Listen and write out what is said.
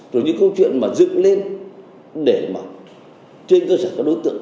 rồi những câu chuyện mà dựng lên để mà trên cơ sở các đối tượng